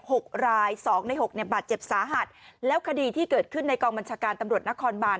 หกรายสองในหกเนี่ยบาดเจ็บสาหัสแล้วคดีที่เกิดขึ้นในกองบัญชาการตำรวจนครบาน